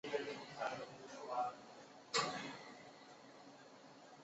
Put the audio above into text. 缺叉石蛾属为毛翅目指石蛾科底下的一个属。